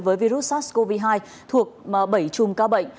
với virus sars cov hai thuộc bảy chùm ca bệnh